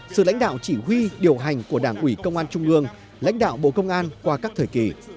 sự lãnh đạo chỉ huy điều hành của đảng ủy công an trung ương lãnh đạo bộ công an qua các thời kỳ